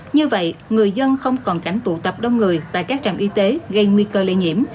như vậy người dân không còn cảnh tụ tập đông người